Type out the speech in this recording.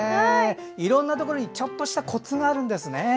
いろんなところにちょっとしたコツがあるんですね。